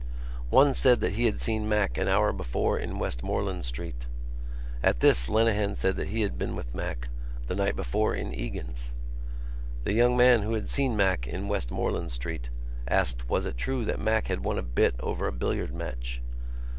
One said that he had seen Mac an hour before in Westmoreland Street. At this Lenehan said that he had been with Mac the night before in Egan's. The young man who had seen Mac in Westmoreland Street asked was it true that Mac had won a bit over a billiard match.